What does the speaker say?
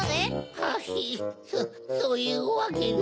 ハヒそういうわけでは。